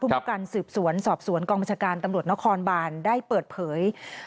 ผู้การสืบสวนสอบสวนกองบัญชาการตำรวจนครบานได้เปิดเผย